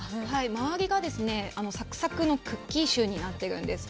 周りがサクサクのクッキーシューになってるんです。